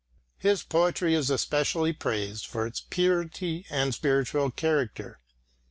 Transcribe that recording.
His poetry is especially praised for its purity and spiritual character.